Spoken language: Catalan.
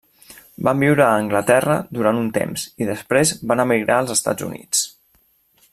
Van viure a Anglaterra durant un temps i després van emigrar als Estats Units.